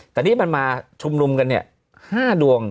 แต่นี่มันมาชุมลุมกันเนี่ย๕ดวง